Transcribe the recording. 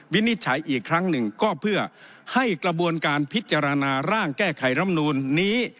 วินิจฉัยอีกครั้งหนึ่งก็เพื่อให้กระบวนการพิจารณาร่างแก้ไขรำนูนนี้